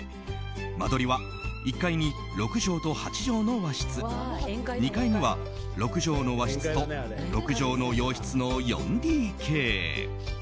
間取りは１階に６畳と８畳の和室２階には６畳の和室と６畳の洋室の４ＤＫ。